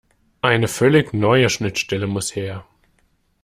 Eine völlig neue Schnittstelle muss her.